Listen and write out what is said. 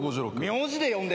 名字で呼んでんの？